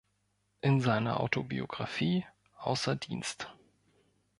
In seiner Autobiografie "Außer Dienst.